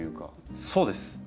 そうです。